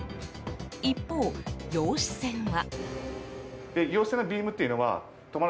一方、陽子線は。